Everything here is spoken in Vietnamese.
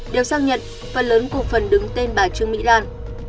đều xác nhận phần lớn cổ phần đứng tên bà trương mỹ lan